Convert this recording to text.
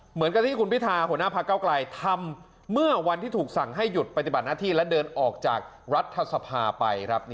เหมือนกับที่คุณพิธาหัวหน้าพระเก้าไกลทำเมื่อวันที่ถูกสั่งให้หยุดปฏิบัติหน้าที่และเดินออกจากรัฐสภาไปครับ